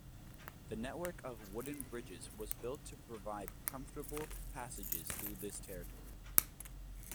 The network of wooden bridges was built to provide comfortable passages through this territory.